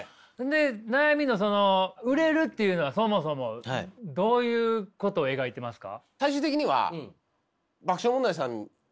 で悩みのその売れるっていうのはそもそもどういうことを描いてますか？